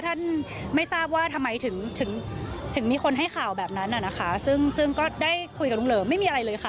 ท่านไม่ทราบว่าทำไมถึงถึงมีคนให้ข่าวแบบนั้นอ่ะนะคะซึ่งซึ่งก็ได้คุยกับลุงเหลิมไม่มีอะไรเลยค่ะ